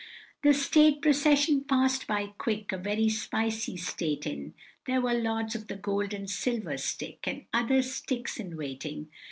The state procession pass'd by quick, A very spicy state in, There were Lords of the Gold and Silver Stick, And other sticks in waiting.